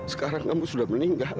sekarang kamu sudah meninggal